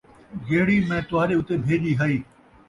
جِہڑی مَیں تُہاݙے اُتے بھیڄی ہئی